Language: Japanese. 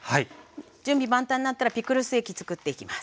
準備万端になったらピクルス液つくっていきます。